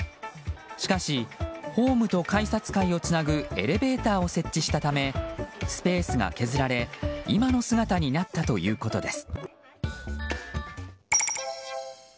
しかし、ホームと改札階をつなぐエレベーターを設置したためスペースが削られ今の姿になったということです。